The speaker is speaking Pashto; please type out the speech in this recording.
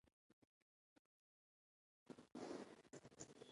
د هغې خوا يې د زوی غږ واورېد.